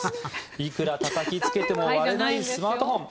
いくらたたきつけても割れないスマートフォン。